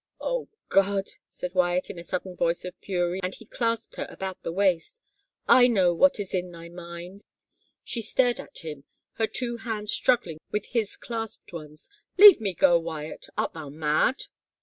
" O God I " said Wyatt in a sudden voice of fury and he clasped her about the waist. " I know what is in thy mind !'' She stared at him, her two hands struggling with his clasped ones. "Leave me go, Wyatt. Art thou mad?